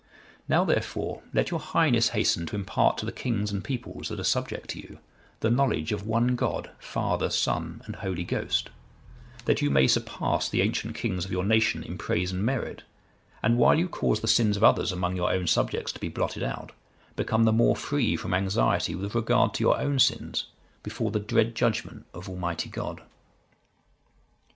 Now, therefore, let your Highness hasten to impart to the kings and peoples that are subject to you, the knowledge of one God, Father, Son, and Holy Ghost; that you may surpass the ancient kings of your nation in praise and merit, and while you cause the sins of others among your own subjects to be blotted out, become the more free from anxiety with regard to your own sins before the dread judgement of Almighty God.